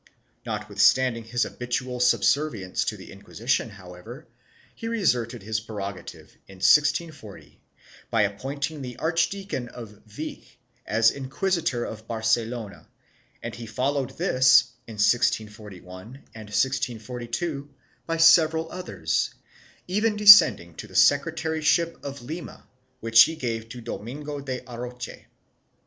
1 Notwithstanding his habitual subservience to the In quisition, however, he reasserted his prerogative, in 1640, by appointing the Archdeacon of Vich as Inquisitor of Barcelona and he followed this, in 1641 and 1642, by several others, even descending to the secretaryship of Lima which he gave to Domingo de Aroche.